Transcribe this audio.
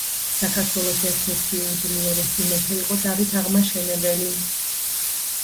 საქართველოს ერთერთი უძლიერესი მეფე იყო დავით აღმაშენებელი